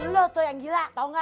lu tuh yang gila tau gak